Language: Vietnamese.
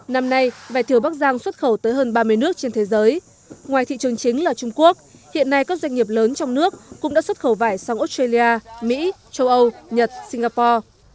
năm nay vải thiều bắc giang xuất khẩu tới hơn ba mươi nước trên thế giới ngoài thị trường chính là trung quốc hiện nay các doanh nghiệp lớn trong nước cũng đã xuất khẩu vải sang australia mỹ châu âu nhật singapore